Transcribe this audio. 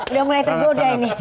udah mulai tergoda ini